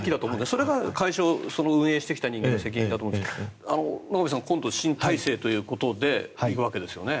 それが会社を運営してきた人間の責任ですが野上さん、今度新体制で行くわけですよね。